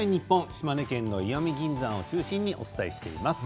島根県の石見銀山を中心にお伝えしています。